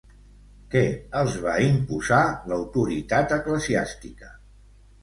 Què els va imposar l'autoritat eclesiàstica?